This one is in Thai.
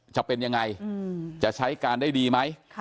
จะเป็นยังไงจะใช้การได้ดีไหม